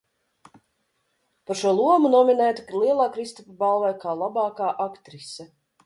Par šo lomu nominēta Lielā Kristapa balvai kā labākā aktrise.